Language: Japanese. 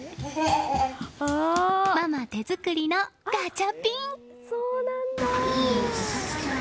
ママ手作りのガチャピン！